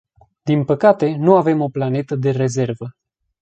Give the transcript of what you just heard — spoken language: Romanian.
Din păcate, nu avem o planetă de rezervă.